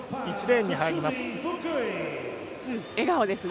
１レーンに入ります。